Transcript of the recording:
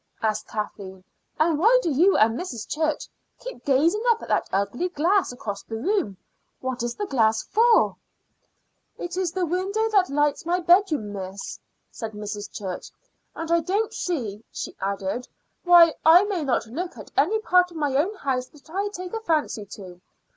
asked Kathleen. "And why do you and Mrs. Church keep gazing up at that ugly glass across the room? What is the glass for?" "It is the window that lights my bedroom, miss," said Mrs. Church. "And I don't see," she added, "why I may not look at any part of my own house that I take a fancy to."